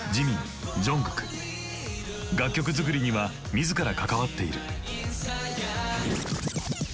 楽曲作りには自ら関わっている。